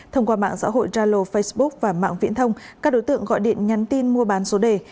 thông qua mạng xã hội jalo facebook và mạng viễn thông các đối tượng gọi điện nhắn tin mua bán số đề